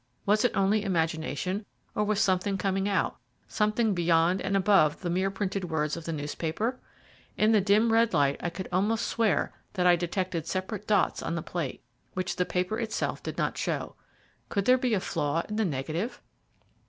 Was it only imagination, or was something coming out something beyond and above the mere printed words of the newspaper? In the dim red light I could almost swear that I detected separate dots on the plate, which the paper itself did not show. Could there be a flaw in the negative?